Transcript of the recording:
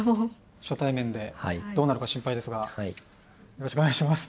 初対面でどうなるか心配ですがよろしくお願いします。